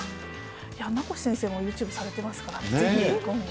名越先生もユーチューブされてますから、ぜひ今後。